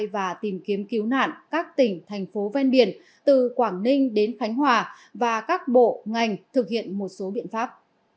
và tìm kiếm cứu nạn các tỉnh thành phố ven biển từ quảng ninh đến khánh hòa và các bộ ngành thực hiện một số biện pháp